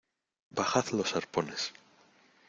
bajad los arpones.